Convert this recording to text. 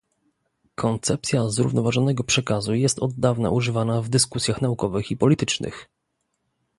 Koncepcja zrównoważonego przekazu jest od dawna używana w dyskusjach naukowych i politycznych